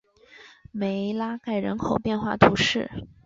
梅拉盖人口变化图示